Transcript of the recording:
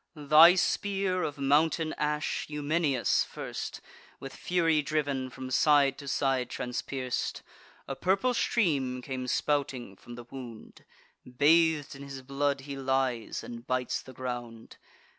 Thy spear, of mountain ash, Eumenius first, With fury driv'n, from side to side transpierc'd: A purple stream came spouting from the wound; Bath'd in his blood he lies, and bites the ground.